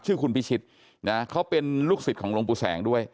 ชื่อคุณพิชิตนะเขาเป็นลูกศิษย์ของหลวงปู่แสงด้วย